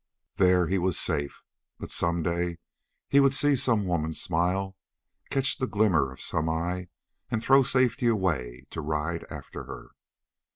There he was safe, but someday he would see some woman smile, catch the glimmer of some eye, and throw safety away to ride after her.